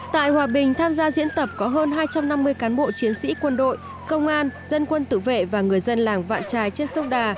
tại hòa bình tham gia diễn tập có hơn hai trăm năm mươi cán bộ chiến sĩ quân đội công an dân quân tự vệ và người dân làng vạn trài trên sông đà